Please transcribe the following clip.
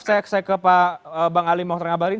maaf saya ke pak bang ali moktar ngabdalin